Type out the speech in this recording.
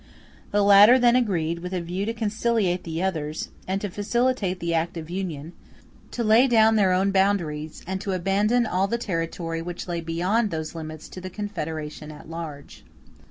The latter then agreed, with a view to conciliate the others, and to facilitate the act of union, to lay down their own boundaries, and to abandon all the territory which lay beyond those limits to the confederation at large.